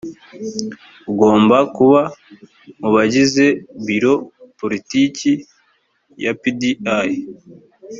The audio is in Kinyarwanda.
ugomba kuba mu bagize biro politiki ya pdi